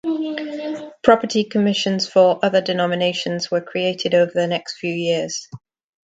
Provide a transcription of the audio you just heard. Property commissions for other denominations were created over the next few years.